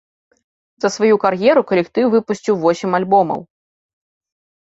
За сваю кар'еру калектыў выпусціў восем альбомаў.